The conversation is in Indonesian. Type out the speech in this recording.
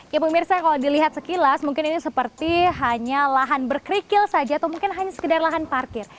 ya pemirsa kalau dilihat sekilas mungkin ini seperti hanya lahan berkerikil saja atau mungkin hanya sekedar lahan parkir